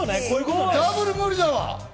ダブル無理だわ。